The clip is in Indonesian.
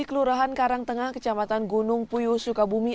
kelurahan karangtengah kecamatan gunung puyuh sukabumi